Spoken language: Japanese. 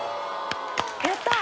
やったー！